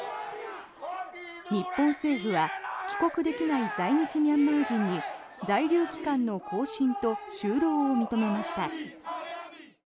日本政府は帰国できない在日ミャンマー人に在留期間の更新と就労を認めました。